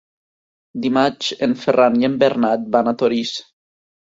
Dimarts en Ferran i en Bernat van a Torís.